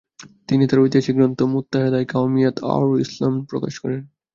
তিনি তার ঐতিহাসিক গ্রন্থ ‘মুত্তাহেদায়ে কওমিয়্যাত আওর ইসলাম’ প্রকাশ করেন।